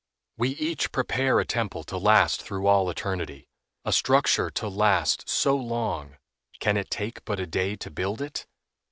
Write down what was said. We each prepare a temple to last through all eternity. A structure to last so long, can it take but a day to build it?